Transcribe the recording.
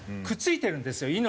くっついてるんですよ